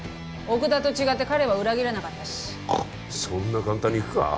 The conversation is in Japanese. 奥田と違って彼は裏切らなかったしそんな簡単にいくか？